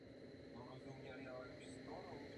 Její rodiče byli velmi chudí a oba učili na gymnáziu.